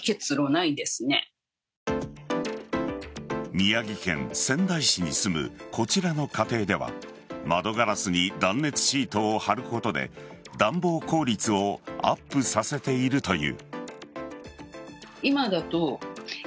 宮城県仙台市に住むこちらの家庭では窓ガラスに断熱シートを貼ることで暖房効率をアップさせているという。